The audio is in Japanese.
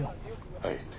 はい。